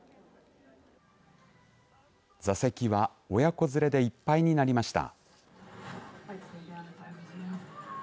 座席は親子連れでいっぱいになりました。